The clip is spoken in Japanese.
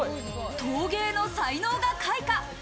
陶芸の才能が開花。